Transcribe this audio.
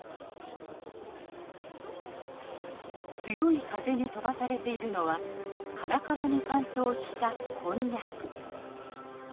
強い風に飛ばされているのはカラカラに乾燥したこんにゃく。